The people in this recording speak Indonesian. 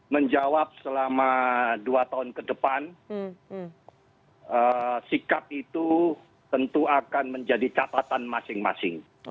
menjawab selama dua tahun ke depan sikap itu tentu akan menjadi catatan masing masing